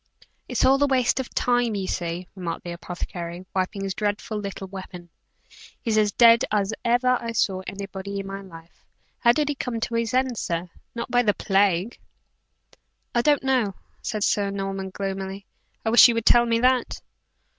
"It's all a waste of time, you see," remarked the apothecary, wiping his dreadful little weapon, "he's as dead as ever I saw anybody in my life! How did he come to his end, sir not by the plague?" "I don't know," said Sir Norman, gloomily. "I wish you would tell me that."